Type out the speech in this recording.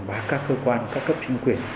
và các cơ quan các cấp chính quyền